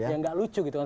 ya nggak lucu gitu kan